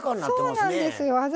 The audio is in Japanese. そうなんですよ。